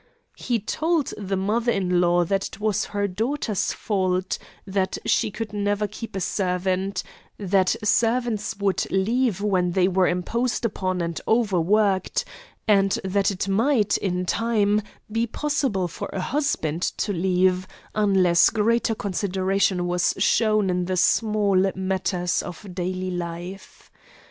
He told the mother in law that it was her daughter's fault that she could never keep a servant; that servants would leave when they were imposed upon and overworked, and that it might, in time, be possible for a husband to leave unless greater consideration was shown in the small matters of daily life.